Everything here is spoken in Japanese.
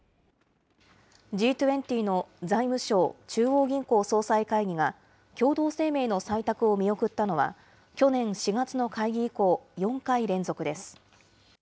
Ｇ２０の財務相・中央銀行総裁会議が共同声明の採択を見送ったのは去年４月の会議以降、４回連続です。